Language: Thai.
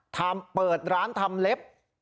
เปิดร้านทำเล็บ